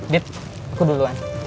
dit aku duluan